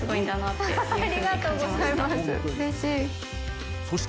ありがとうございますうれしい。